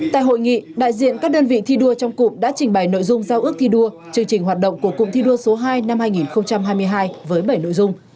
tại hội nghị đại diện các đơn vị thi đua trong cụm đã trình bày nội dung giao ước thi đua chương trình hoạt động của cụm thi đua số hai năm hai nghìn hai mươi hai với bảy nội dung